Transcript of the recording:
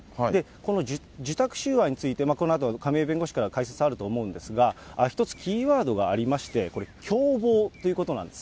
この受託収賄について、このあと亀井弁護士から解説あると思うんですが、一つキーワードがありまして、これ、共謀ということなんです。